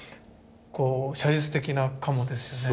こう写実的な鴨ですね。